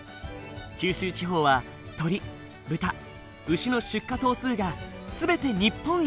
九州地方は鶏豚牛の出荷頭数が全て日本一。